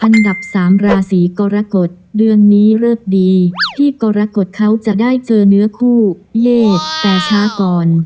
อันดับสามราศีกรกฎเดือนนี้เลิกดีพี่กรกฎเขาจะได้เจอเนื้อคู่เลขแต่ช้าก่อน